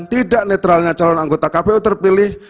tidak netralnya calon anggota kpu terpilih